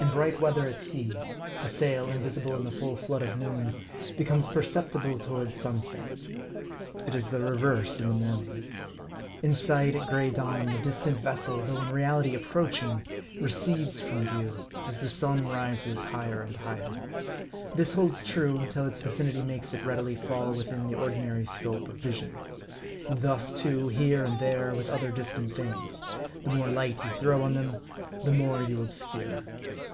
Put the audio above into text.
In bright weather at sea, a sail, invisible in the full flood of noon, becomes perceptible toward sunset. It is the re verse in the morning. In sight at gray dawn, the distant vessel, though in reality approaching, recedes from view, as the sun rises higher and higher. This holds true, till its vicinity makes it readily fall within the ordinary scope of vision. And thus, too, here and there, with other distant things : the more light you throw on them, the more you obscure.